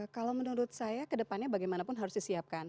kalau menurut saya ke depannya bagaimanapun harus disiapkan